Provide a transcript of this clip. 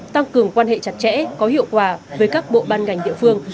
tăng cường quan hệ chặt chẽ có hiệu quả với các bộ ban ngành địa phương